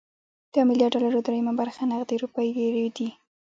د يو ميليارد ډالرو درېيمه برخه نغدې روپۍ ډېرې دي.